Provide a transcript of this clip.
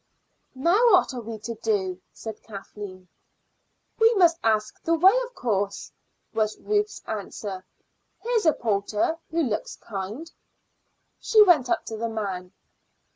"Now what are we to do?" said Kathleen. "We must ask the way, of course," was Ruth's answer. "Here is a porter who looks kind." She went up to the man.